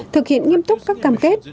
thực hiện nghiêm túc các cam kết